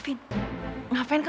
aku udah bilang ya